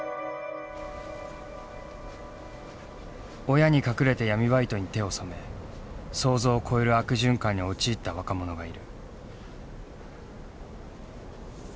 親に隠れて闇バイトに手を染め想像を超える悪循環に陥った若者がいる。